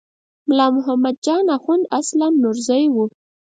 ملا محمد جان اخوند اصلاً نورزی و.